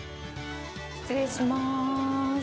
失礼します。